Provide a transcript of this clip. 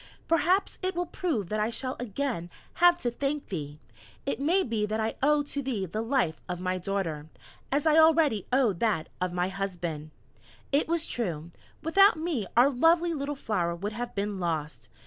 Perhaps it will prove that I shall again have to thank thee; it may be that I owe to thee the life of my Daughter, as I already owe that of my Husband!" It was true; without me our lovely little flower would have been lost!